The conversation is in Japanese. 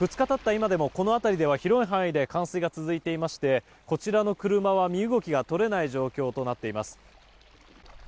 今でもこの辺りでは広い範囲で冠水が続いていましてこちらの車は身動きが取れない状況となっています。